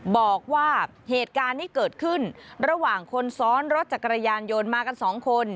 บอกว่าเหตุการณ์ที่เกิดขึ้นระหว่างคนซ้อนรถจักรยานยนต์มากันสองคน